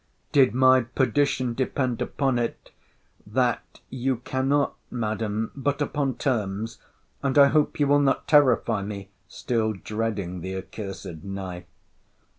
Did my perdition depend upon it, that you cannot, Madam, but upon terms. And I hope you will not terrify me—still dreading the accursed knife.